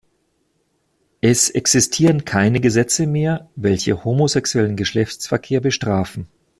Es existieren keine Gesetze mehr, welche homosexuellen Geschlechtsverkehr bestrafen.